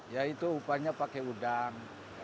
ya itu upahnya pakai udang